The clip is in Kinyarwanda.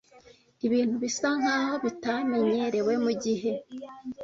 Ibintu bisa nkaho bitamenyerewe mugihe